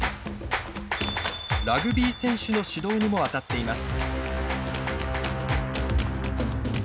ラグビー選手の指導にも当たっています。